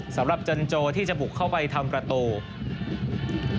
สำหรับจันโจที่จะบุกเข้าไปทำประตู